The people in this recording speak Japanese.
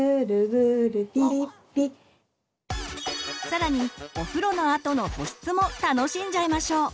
更にお風呂のあとの保湿も楽しんじゃいましょう！